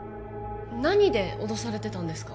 何で脅されてたんですか？